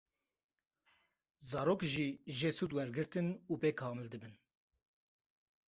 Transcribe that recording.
Zarok jî jê sûd werdigirtin û pê kamildibin.